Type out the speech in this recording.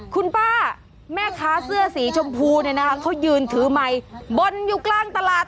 คุณป้าแม่ค้าเสื้อสีชมพูเนี่ยนะคะเขายืนถือไมค์บนอยู่กลางตลาด